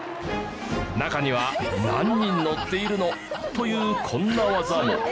中には何人乗っているの？というこんな技も。